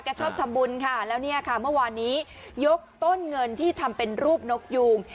ชอบทำบุญค่ะแล้วเนี่ยค่ะเมื่อวานนี้ยกต้นเงินที่ทำเป็นรูปนกยูง